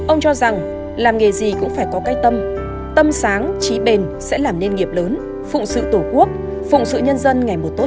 ông cho rằng làm nghề gì cũng phải có cái tâm tâm sáng trí bền sẽ làm nên nghiệp lớn phụng sự tổ quốc phụng sự nhân dân ngày một tốt hơn